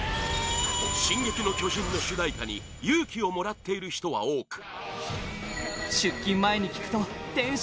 「進撃の巨人」の主題歌に勇気をもらっている人は多く